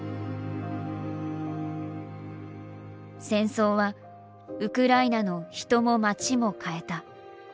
戦争はウクライナの人も街も変えた。